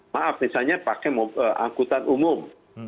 maaf misalnya pakai angkutan umum